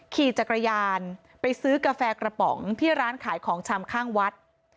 ขี่จักรยานไปซื้อกาแฟกระป๋องที่ร้านขายของชำข้างวัด